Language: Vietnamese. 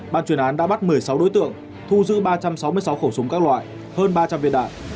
ban chuyên án đã bắt một mươi sáu đối tượng thu giữ ba trăm sáu mươi sáu khẩu súng các loại hơn ba trăm linh viên đạn